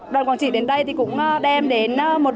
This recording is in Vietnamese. đoàn quảng trị đến đây cũng đem đến